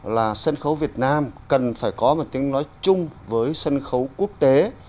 là sân khấu việt nam cần phải có một tiếng nói chung với sân khấu quốc tế